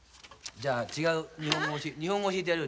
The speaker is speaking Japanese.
じゃあ違う日本語日本語教えてやる。